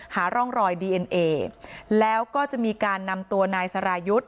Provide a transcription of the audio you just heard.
หาร่องรอยดีเอ็นเอแล้วก็จะมีการนำตัวนายสรายุทธ์